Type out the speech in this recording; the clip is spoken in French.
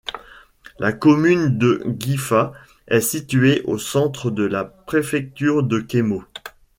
La commune de Guiffa est située au centre de la préfecture de Kémo.